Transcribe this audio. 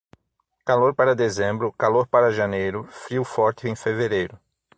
Calor para dezembro, calor para janeiro, frio forte em fevereiro.